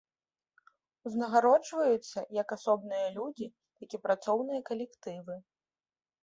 Узнагароджваюцца як асобныя людзі, так і працоўныя калектывы.